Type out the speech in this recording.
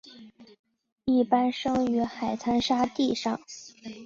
一般生于海滩沙地上。